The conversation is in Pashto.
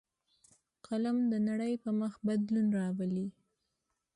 قلم د نړۍ پر مخ بدلون راولي